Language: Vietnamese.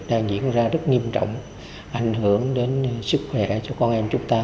đang diễn ra rất nghiêm trọng ảnh hưởng đến sức khỏe cho con em chúng ta